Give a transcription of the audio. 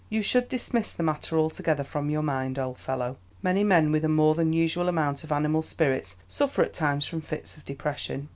You should dismiss the matter altogether from your mind, old fellow. Many men with a more than usual amount of animal spirits suffer at times from fits of depression.